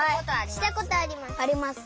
したことあります。